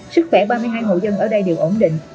sức khỏe ba mươi hai hộ dân ở đây đều ổn định